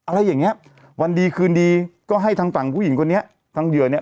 อะไรอย่างเงี้ยวันดีคืนดีก็ให้ทางฝั่งผู้หญิงคนนี้ทางเหยื่อเนี้ย